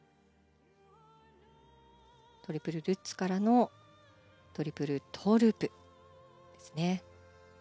トリプルルッツからのトリプルトウループ。